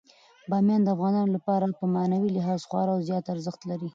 بامیان د افغانانو لپاره په معنوي لحاظ خورا زیات ارزښت لري.